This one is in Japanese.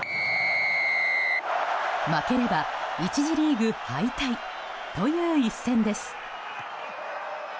負ければ１次リーグ敗退という一戦です。